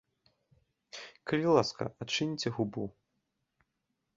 Калі ласка, адчыніце губу.